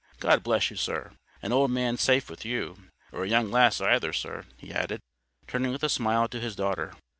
"God bless you, sir. An old man's safe with you—or a young lass, either, sir," he added, turning with a smile to his daughter.